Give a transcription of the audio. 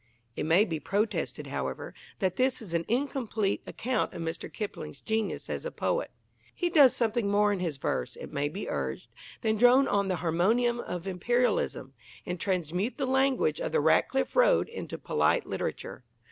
It may be protested, however, that this is an incomplete account of Mr. Kipling's genius as a poet. He does something more in his verse, it may be urged, than drone on the harmonium of Imperialism, and transmute the language of the Ratcliff Road into polite literature.